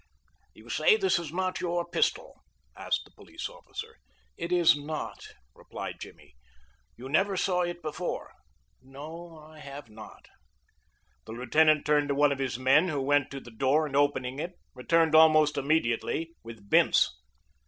"You say this is not your pistol?" asked the police officer. "It is not," replied Jimmy. "You never saw it before?" "No, I have not." The lieutenant turned to one of his men, who went to the door, and, opening it, returned almost immediately with Bince.